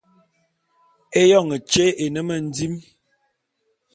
Éyoñ tyé é ne mendim.